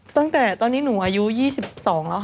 ตั้งแต่ตอนนี้หนูอายุ๒๒แล้วค่ะ